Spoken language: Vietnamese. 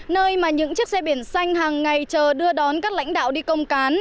nơi mà những chiếc xe biển xanh hàng ngày chờ đưa đón các lãnh đạo đi công cán